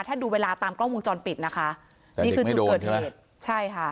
ถ้าดูเวลาตามกล้องมูลจอดปิดนะคะแต่เด็กไม่โดนใช่ไหมใช่ค่ะ